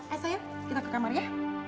eh saya kita ke kamar ya